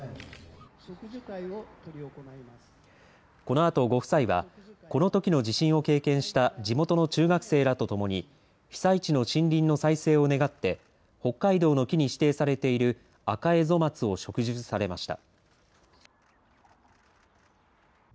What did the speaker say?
このあとご夫妻はこのときの地震を経験した地元の中学生らと共に被災地の森林の再生を願って北海道の木に指定されているアカエゾマツを植樹されました。